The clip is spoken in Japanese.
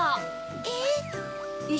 えっ？